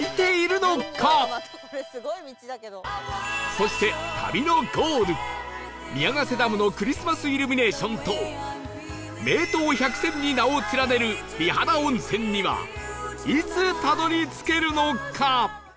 そして旅のゴール宮ヶ瀬ダムのクリスマスイルミネーションと名湯百選に名を連ねる美肌温泉にはいつたどり着けるのか？